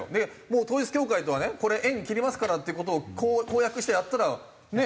もう統一教会とはね縁切りますからっていう事を公約してやったらねえ。